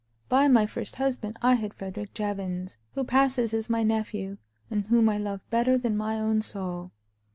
By my first husband I had Frederick Jevons, who passes as my nephew, and whom I love better than my own soul.